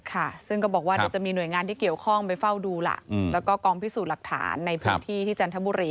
ค่ะซึ่งก็บอกว่าเดี๋ยวจะมีหน่วยงานที่เกี่ยวข้องไปเฝ้าดูล่ะแล้วก็กองพิสูจน์หลักฐานในพื้นที่ที่จันทบุรี